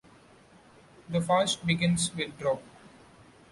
The fast begins with dawn.